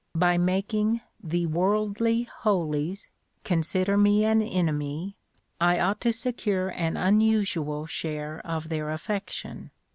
By making the "worldly holies" consider me an enemy, I ought to secure an unusual share of their affection.